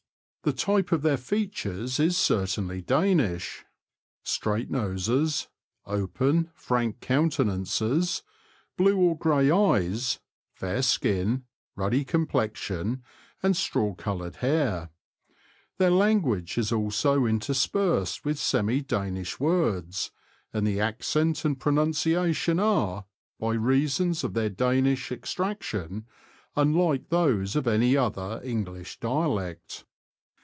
The type of their features is certainly Danish — straight * Donkey. f Bank. J Ditch. § A small field. S 258 THE LAND OF THE BROADS. noses, open, frank countenances, blue or grey eyes, fair skin, ruddy complexion, and straw coloured hair. Their language is also interspersed with semi Danish words, and the accent and pronunciation are, by reason of their Danish extraction, unlike those of any other English dialect.